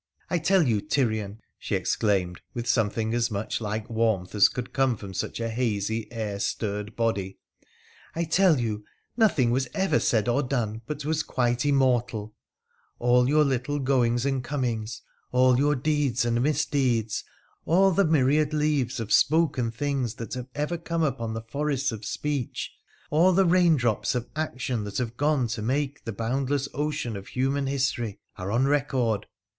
I tell you, Tyrian,' she exclaimed, with something as much like warmth as could come from such a hazy air stirred body —' I tell you nothing was ever said or done but was quite PHRA THE PIICEN1CIAN gi Immortal : all your little goings and comings, all your deeds and misdeeds, all the myriad leaves of spoken things that have ever come upon the forests of speech, all the rain drops of action that have gone to make the boundless ocean of human history, are on record.